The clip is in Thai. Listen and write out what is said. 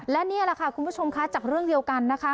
และนี่แหละค่ะคุณผู้ชมคะจากเรื่องเดียวกันนะคะ